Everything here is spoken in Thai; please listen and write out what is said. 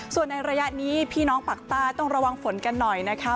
ส่วนในระยะนี้พี่น้องปากใต้ต้องระวังฝนกันหน่อยนะคะ